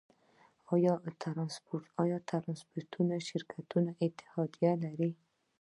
آیا ټرانسپورټي شرکتونه اتحادیه لري؟